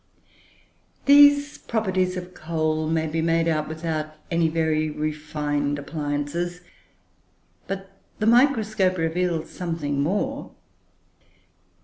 These properties of coal may be made out without any very refined appliances, but the microscope reveals something more.